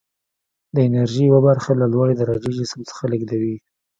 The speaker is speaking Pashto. د انرژي یوه برخه له لوړې درجې جسم څخه لیږدوي.